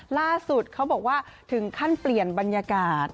ล่าสุดเขาบอกว่าถึงขั้นเปลี่ยนบรรยากาศ